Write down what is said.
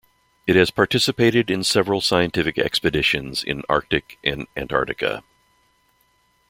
It has participated in several scientific expeditions in Arctic and Antarctica.